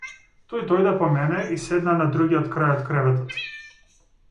Тој дојде по мене и седна на другиот крај од креветот.